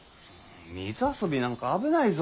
水遊びなんか危ないぞ。